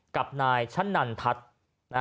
กับนายชะนันทัศน์